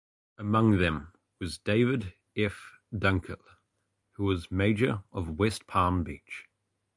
Among them was David F. Dunkle, who was mayor of West Palm Beach.